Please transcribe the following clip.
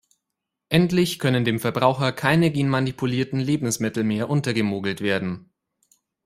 Endlich können dem Verbraucher keine genmanipulierten Lebensmittel mehr untergemogelt werden.